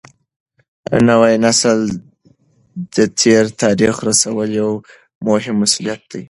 نوي نسل ته د تېر تاریخ رسول یو مهم مسولیت دی.